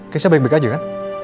keisha baik baik aja kan